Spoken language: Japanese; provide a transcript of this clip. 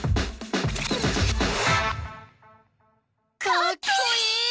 かっこいい！